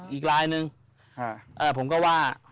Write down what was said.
อีกลายนึงผมก็ว่า